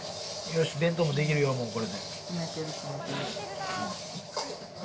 よし、弁当もできるよ、これで。